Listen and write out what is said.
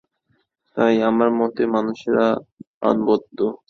তাই, আমার মতে, মানুষেরা অনবদ্য।